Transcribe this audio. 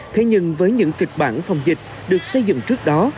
thế nhưng với những kịch bản phòng dịch được xây dựng trước đó